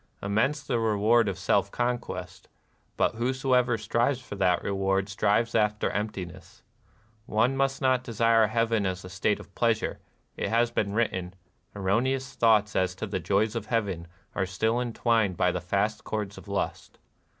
Immense the reward of self conquest ; but whosoever strives for that reward strives after emptiness. One must not desire heaven as a state of pleas ure ; it has been written, Erroneous thoughts as to the joys of heaven are still entwined hy the fast cords of lust.